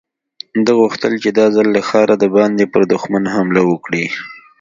ده غوښتل چې دا ځل له ښاره د باندې پر دښمن حمله وکړي.